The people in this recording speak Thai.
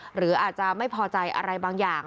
หรืออาจจะไม่พอใจอะไรบางอย่าง